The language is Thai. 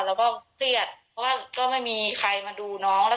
แล้วก็เกลียดเพราะว่าก็ไม่มีใครมาดูน้อง